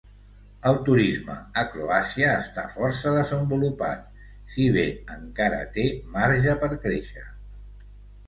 El turisme a Croàcia està força desenvolupat, si bé encara té marge per créixer.